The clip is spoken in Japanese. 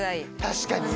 確かにね